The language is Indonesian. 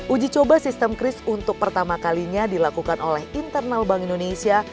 uji coba sistem kris untuk pertama kalinya dilakukan oleh internal bank indonesia